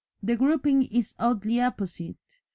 The grouping is oddly apposite.